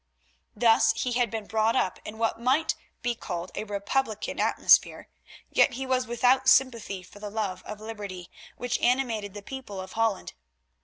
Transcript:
Thus he had been brought up in what might be called a Republican atmosphere, yet he was without sympathy for the love of liberty which animated the people of Holland.